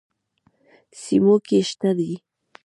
سیموکې شته دي.